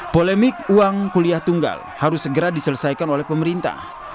polemik uang kuliah tunggal harus segera diselesaikan oleh pemerintah